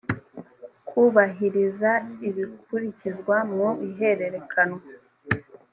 kubahiriza ibikurikizwa mu ihererekanywa